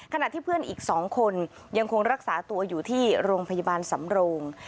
ขณะที่เพื่อนอีก๒คนยังคงรักษาตัวอยู่ที่โรงพยาบาลสำโรง